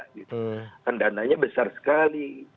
dan dananya besar sekali